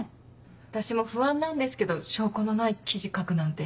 私も不安なんですけど証拠のない記事書くなんて。